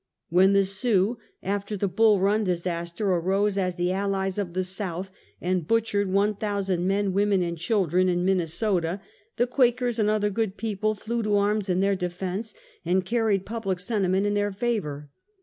When the Sioux, after the Bull Eun disaster, arose as the allies of the South, and butchered one thousand men, women and children in Minnesota, the Quakers and other good people flew to arms in their defense, and carried public sentiment in their favor.